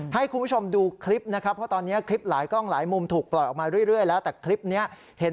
ให้คุณผู้ชมดูคลิป